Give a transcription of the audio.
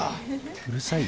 うるさいよ。